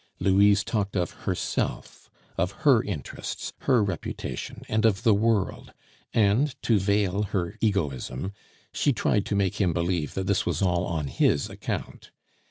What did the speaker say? Louise talked of herself, of her interests, her reputation, and of the world; and, to veil her egoism, she tried to make him believe that this was all on his account.